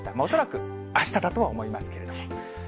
恐らくあしただとは思いますけれどもね。